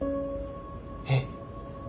えっ？